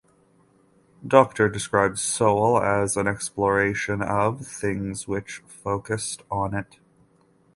Docter described "Soul" as "an exploration of" things which focused on it.